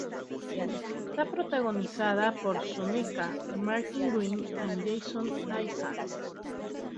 Está protagonizada por Sonequa Martin-Green y Jason Isaacs.